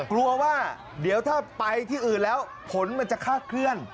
กลัวว่าเดี๋ยวถ้าไปที่อื่นแล้วผลมันจะคาดเคลื่อน